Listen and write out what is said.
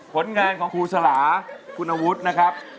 ผลงานของครูสลาคุณวุฒินะครับ